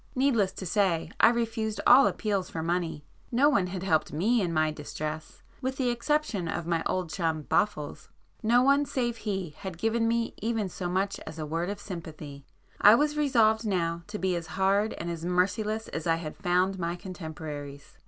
Needless to say I refused all appeals for money;—no one had helped me in my distress, with the exception of my old chum 'Boffles,'—no one save he had given me even so much as a word of sympathy,—I was resolved now to be as hard and as merciless as I had found my contemporaries.